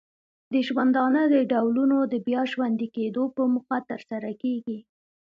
د ژوندانه د ډولونو د بیا ژوندې کیدو په موخه ترسره کیږي.